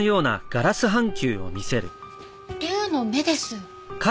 龍の目です。